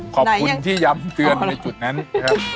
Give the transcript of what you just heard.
ขอบคุณที่ย้ำเตือนในจุดนั้นนะครับ